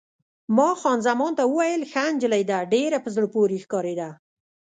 ما خان زمان ته وویل: ښه نجلۍ ده، ډېره په زړه پورې ښکارېده.